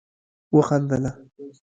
وخندله